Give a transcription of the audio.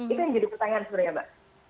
itu yang jadi pertanyaan sebenarnya mbak